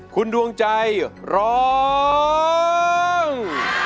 คุณดวงใจร้อง